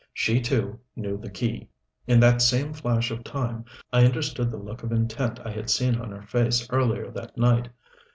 She, too, knew the key. In that same flash of time, I understood the look of intent I had seen on her face earlier that night.